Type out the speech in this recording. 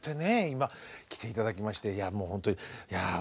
今来て頂きましていやもうほんとにいやあ